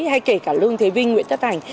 hay kể cả lương thế vinh nguyễn tất thành